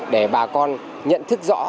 để bà con nhận thức rõ